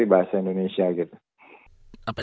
jadi bahasa indonesia gitu